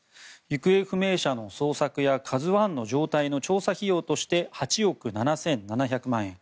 行方不明者の捜索や「ＫＡＺＵ１」の状態の調査費用として８億７７００万円。